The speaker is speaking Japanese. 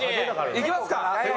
いきます